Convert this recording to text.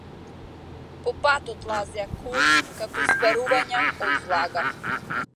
По патот лазеа коли како испарувања од влага.